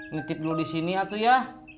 nitip dulu disini atuh ya